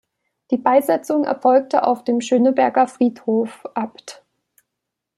Die Beisetzung erfolgte auf dem Schöneberger Friedhof, Abt.